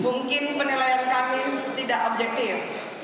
mungkin penilaian kami tidak objektif